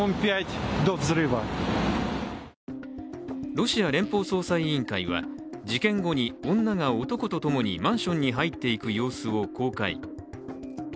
ロシア連邦捜査委員会は事件後に女が男と共にマンションに入っていく様子を公開。